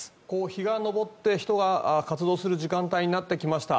日が昇って人が活動する時間帯になってきました。